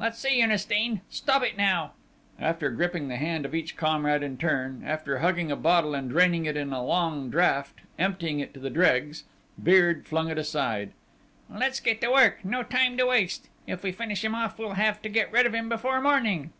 "Let's see, Ernestine?... Stop it now!" After gripping the hand of each comrade in turn, after hugging a bottle and draining it in a long draught, emptying it to the dregs, Beard flung it aside. "Let's get to work no time to waste!... If we finish him off, we'll have to get rid of him before morning!"